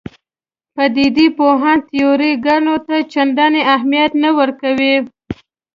پدیده پوهان تیوري ګانو ته چندانې اهمیت نه ورکوي.